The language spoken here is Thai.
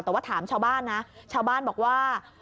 แต่ว่าถามชาวบ้านนะชาวบ้านบอกว่า